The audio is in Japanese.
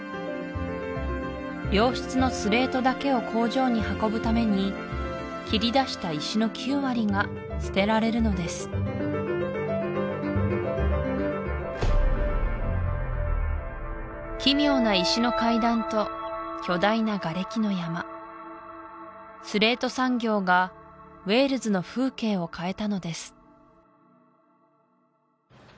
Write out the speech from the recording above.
良質のスレートだけを工場に運ぶために切り出した石の９割が捨てられるのです奇妙な石の階段と巨大ながれきの山スレート産業がウェールズの風景を変えたのです